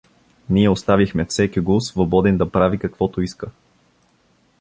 Ние оставихме всекиго свободен да прави, каквото иска.